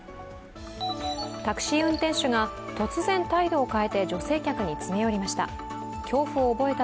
タクシー運転手が突然態度を変えて女性客に詰め寄りました。